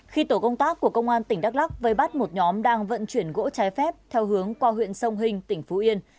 khi tổ công tác của công an tỉnh đắk lắc vây bắt một nhóm đang vận chuyển gỗ trái phép theo hướng qua huyện sông hình tỉnh phú yên